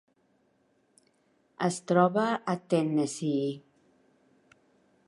Es troba a Tennessee.